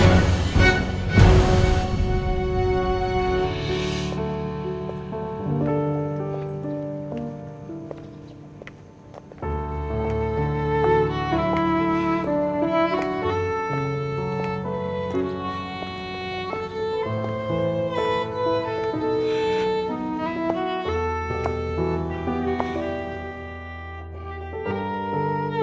buat apa kamu terus cari aku